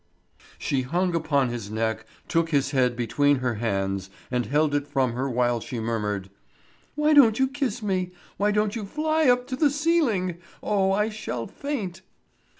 She hung upon his neck, took his head between her hands and held it from her while she murmured: "Why don't you kiss me? Why don't you fly up to the ceiling? Oh, I shall faint!"